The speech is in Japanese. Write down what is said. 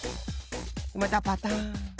またパタン。